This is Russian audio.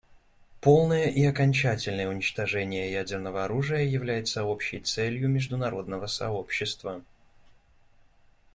Полное и окончательное уничтожение ядерного оружия является общей целью международного сообщества.